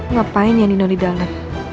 ngapain ya nino di dalam